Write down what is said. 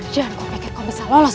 jangan kau pikir kau bisa lolos